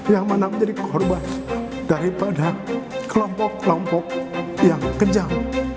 yang mana menjadi korban daripada kelompok kelompok yang kejam